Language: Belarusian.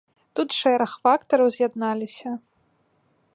Тут шэраг фактараў з'ядналіся.